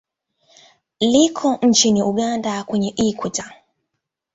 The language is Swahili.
Liko nchini Uganda kwenye Ikweta.